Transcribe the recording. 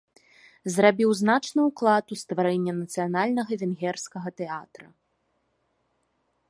Зрабіў значны ўклад у стварэнне нацыянальнага венгерскага тэатра.